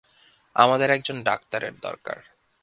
আমাদের একজন ডাক্তারের দরকার।